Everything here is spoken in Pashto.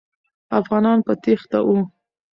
افغانان په تېښته وو.